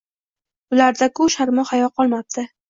Bularda-ku, sharmu hayo qolmabdi